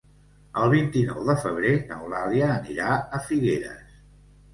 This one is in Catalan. El vint-i-nou de febrer n'Eulàlia anirà a Figueres.